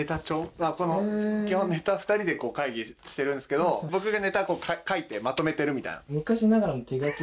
基本ネタ２人で会議してるんですけど僕がネタ書いてまとめてるみたいな。